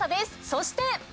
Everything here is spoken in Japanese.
そして。